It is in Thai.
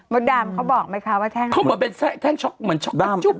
เมื่อดามเขาบอกไหมคะว่าแท่งเขาบอกว่าเป็นแท่งช็อกเหมือนช็อกกระจุบ